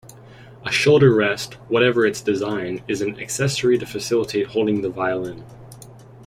A shoulder rest, whatever its design, is an accessory to facilitate holding the violin.